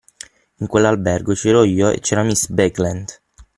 In quell’albergo c’ero io e c’era miss Bigland.